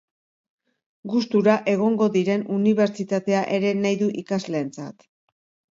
Gustura egongo diren unibertsitatea ere nahi du ikasleentzat.